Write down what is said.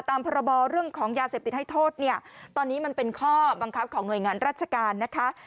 พรบเรื่องของยาเสพติดให้โทษเนี่ยตอนนี้มันเป็นข้อบังคับของหน่วยงานราชการนะคะ